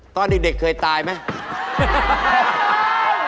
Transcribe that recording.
ตอนเด็กเคยตายไหม